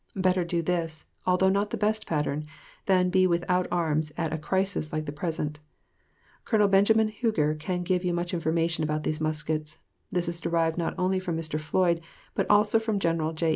Better do this, although not the best pattern, than be without arms at a crisis like the present. Colonel Benjamin Huger can give you much information about these muskets. This is derived not only from Mr. Floyd, but also from General J.